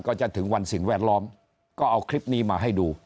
ก็จะถึงวันสิ่งแวดล้อมก็เอาคลิปนี้มาให้ดู